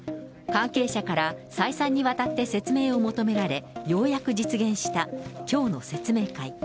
関係者から再三にわたって説明を求められ、ようやく実現したきょうの説明会。